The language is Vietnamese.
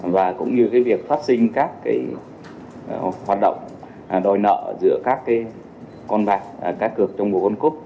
và cũng như việc phát sinh các hoạt động đòi nợ giữa các con bạc cắt cược trong mùa world cup